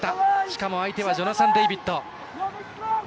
しかも相手はジョナサン・デイビッド。